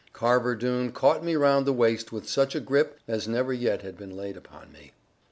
Carver Doone caught me round the waist with such a grip as never yet had been laid upon me.